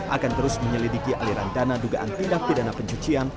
akan terus menyelidiki aliran dana dugaan tindak pidana pencucian